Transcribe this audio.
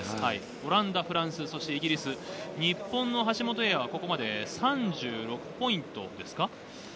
オランダ、フランス、そしてイギリス、日本の橋本英也はここまで３６ポイント。